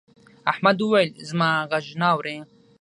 احمد وويل: زما غږ نه اوري.